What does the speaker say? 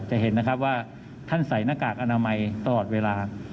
จะเห็นนะครับว่าท่านใส่หน้ากากอนามัยตลอดเวลา